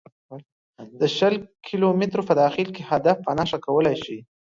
د شل کیلو مترو په داخل کې هدف په نښه کولای شي